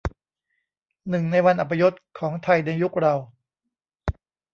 หนึ่งในวันอัปยศของไทยในยุคเรา